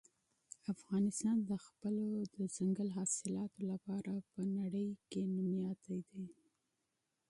افغانستان د خپلو دځنګل حاصلاتو لپاره په نړۍ کې مشهور دی.